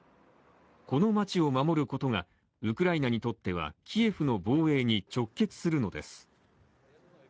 この街を守ることがウクライナにとってキエフの防衛に直結するのです。